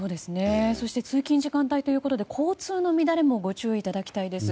そして通勤時間帯ということで交通機関の乱れにもご注意いただきたいです。